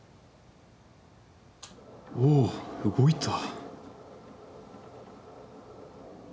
おおっ動いた。